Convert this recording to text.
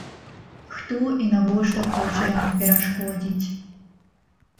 Хто і навошта хоча яму перашкодзіць?